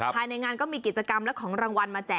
ภายในงานก็มีกิจกรรมที่จะพาคุณผู้ชมไปดูเป็นการแข่งขันกัน